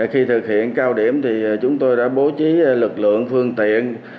khi thực hiện cao điểm thì chúng tôi đã bố trí lực lượng phương tiện